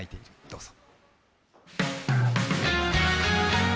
どうぞ。